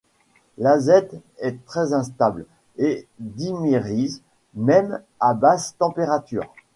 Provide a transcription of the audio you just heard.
L'azète est très instable et dimérise même à basse température.